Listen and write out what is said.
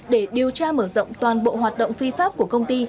để điều tra mở rộng toàn bộ hoạt động phi pháp của công ty